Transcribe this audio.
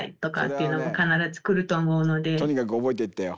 とにかく覚えていってよ。